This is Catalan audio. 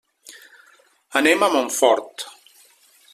Anem a Montfort.